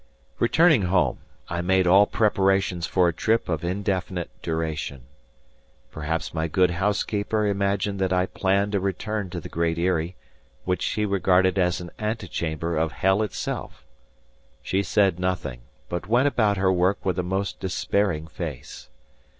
Returning home, I made all preparations for a trip of indefinite duration. Perhaps my good housekeeper imagined that I planned a return to the Great Eyrie, which she regarded as an ante chamber of hell itself. She said nothing, but went about her work with a most despairing face.